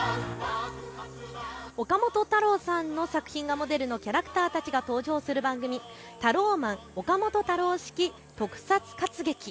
岡本太郎さんの作品がモデルのキャラクターたちが登場する番組、ＴＡＲＯＭＡＮ岡本太郎式特撮活劇。